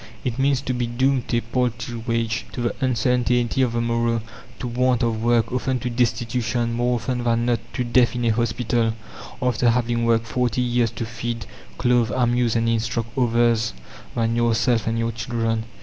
It means to be doomed to a paltry wage, to the uncertainty of the morrow, to want of work, often to destitution, more often than not to death in a hospital, after having worked forty years to feed, clothe, amuse, and instruct others than yourself and your children.